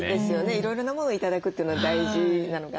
いろいろなものを頂くというのは大事なのかな。